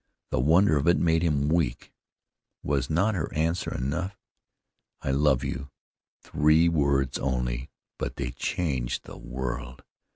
The wonder of it made him weak. Was not her answer enough? "I love you!" Three words only; but they changed the world.